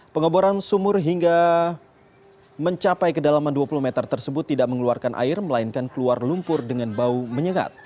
pengeboran sumur hingga mencapai kedalaman dua puluh meter tersebut tidak mengeluarkan air melainkan keluar lumpur dengan bau menyengat